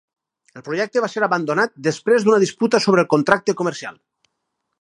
El projecte va ser abandonat després d'una disputa sobre el contracte comercial.